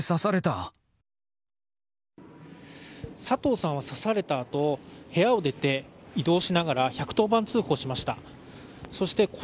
佐藤さんは刺されたあと部屋を出て移動しながら１１０番通報しました。